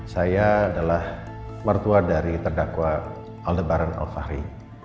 saya adalah mertua dari terdakwa aldebaran al fahri